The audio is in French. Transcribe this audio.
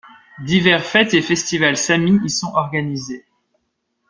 Divers fêtes et festivals Samis y sont organisés.